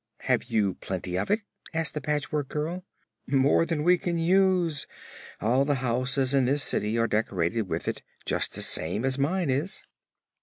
"Have you plenty of it?" asked the Patchwork Girl. "More than we can use. All the houses in this city are decorated with it, just the same as mine is."